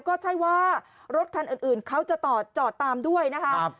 ก็ใช่ว่ารถคันอื่นเขาจะจอดตามด้วยนะคะ